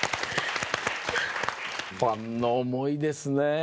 ファンの思いですね。